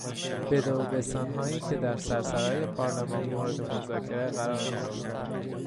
بده و بستانهایی که در سرسرای پارلمان مورد مذاکره قرار میگیرد